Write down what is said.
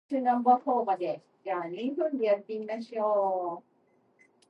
Lacaille assigned one Greek letter sequence for the bright stars of Argo Navis.